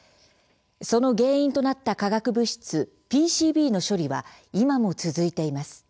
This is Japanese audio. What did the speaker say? その原因となった化学物質ＰＣＢの処理は今も続いています。